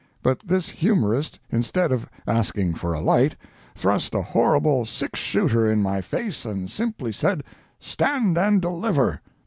But this humorist instead of asking for a light, thrust a horrible six shooter in my face and simply said, "Stand and deliver!"